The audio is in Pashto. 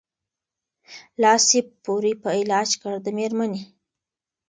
لاس یې پوري په علاج کړ د مېرمني